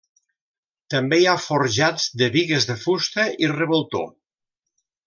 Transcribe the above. També hi ha forjats de bigues de fusta i revoltó.